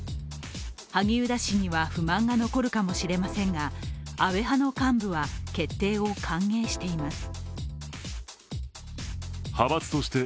萩生田氏には不満が残るかもしれませんが安倍派の幹部は決定を歓迎しています。